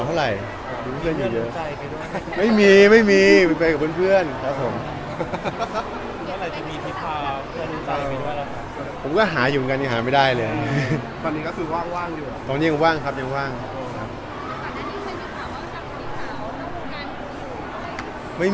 ก็เหงาไหมก็มีเพื่อนอยู่ครับไม่เหงาเท่าไหร่